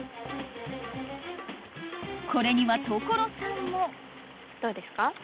これには所さんもどうですか？